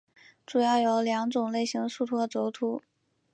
主要有两种类型的树突和轴突。